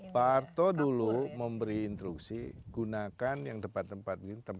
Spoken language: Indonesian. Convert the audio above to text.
pak arto dulu memberi instruksi gunakan yang depan depan